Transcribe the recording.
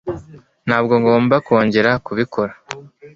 ntabwo ngomba kongera kubikora